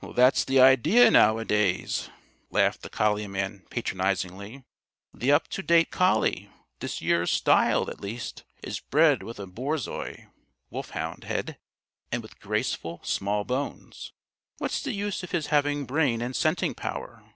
"That's the idea nowadays," laughed the collie man patronizingly. "The up to date collie this year's style, at least is bred with a borzoi (wolfhound) head and with graceful, small bones. What's the use of his having brain and scenting power?